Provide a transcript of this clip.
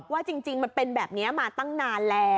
ว่าจริงมันเป็นแบบนี้มาตั้งนานแล้ว